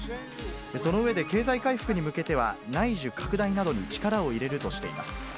その上で、経済回復に向けては、内需拡大などに力を入れるとしています。